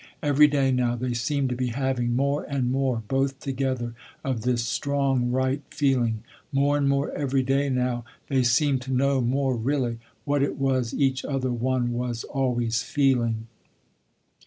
Every day now, they seemed to be having more and more, both together, of this strong, right feeling. More and more every day now they seemed to know more really, what it was each other one was always feeling.